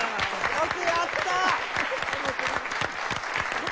よくやった！